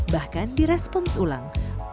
bahkan di respons ulang